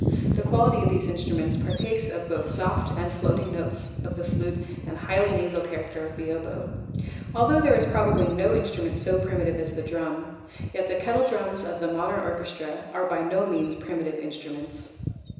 The quality of these instru ments partakes of both the soft floating notes of the flute and the highly nasal character of the oboe. Altho there is probably no instrument so primitive as the drum, yet the kettle drums of the modern orchestra are by no means primitive instruments.